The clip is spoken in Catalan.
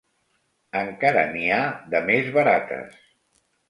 Encara n'hi ha de més barates.